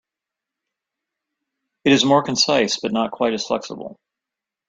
It is more concise but not quite as flexible.